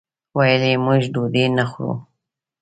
ویل یې موږ ډوډۍ نه خورو.